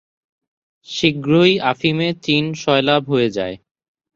শীঘ্রই আফিমে চীন সয়লাব হয়ে যায়।